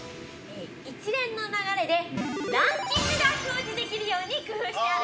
◆一連の流れでランキングが表示できるように工夫してある。